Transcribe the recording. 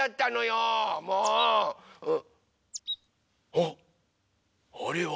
・あっあれは。